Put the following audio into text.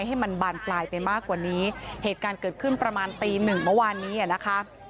ให้มันบานปลายไปมากกว่านี้เหตุการณ์เกิดขึ้นประมาณตีหนึ่งเมื่อวานนี้อ่ะนะคะ